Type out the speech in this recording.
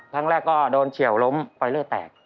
ครั้งแรกก็โดนเฉียวล้มปล่อยเลือดแตก